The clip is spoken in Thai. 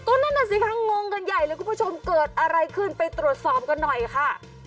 ก็นั่นน่ะสิคะงงกันใหญ่เลยคุณผู้ชมเกิดอะไรขึ้นไปตรวจสอบกันหน่อยค่ะ